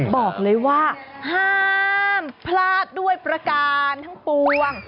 บอกเลยว่าห้ามพลาดด้วยประการทั้งปวง